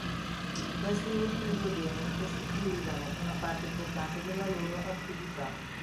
Questi ultimi due "beni" costituivano una parte importante della loro attività.